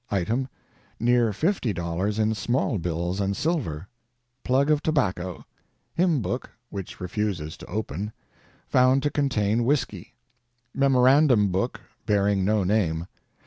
Item, near fifty dollars in small bills and silver. Plug of tobacco. Hymn book, which refuses to open; found to contain whiskey. Memorandum book bearing no name.